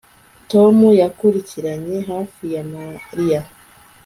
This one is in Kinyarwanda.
Tom yakurikiranye hafi ya Mariya